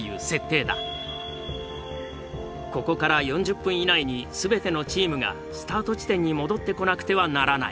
ここから４０分以内に全てのチームがスタート地点に戻ってこなくてはならない。